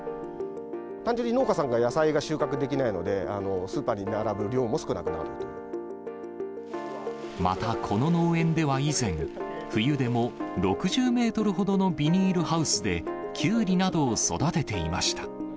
単純に農家さんが野菜が収穫できないので、また、この農園では以前、冬でも６０メートルほどのビニールハウスできゅうりなどを育てていました。